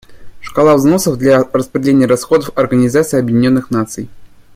Шкала взносов для распределения расходов Организации Объединенных Наций.